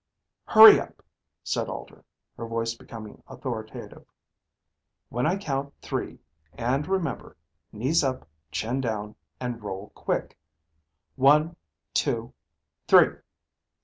"Hurry up," said Alter, her voice becoming authoritative. "When I count three. And remember, knees up, chin down, and roll quick. One, two, three!"